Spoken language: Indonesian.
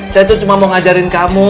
saya tuh cuma mau ngajarin kamu